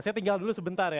saya tinggal dulu sebentar ya